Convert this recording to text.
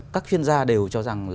các chuyên gia đều cho rằng